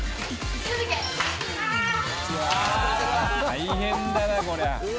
大変だなこりゃ。